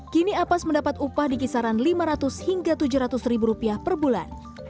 kini ahpas mendapat upah di kisaran rp lima ratus hingga rp tujuh ratus per bulan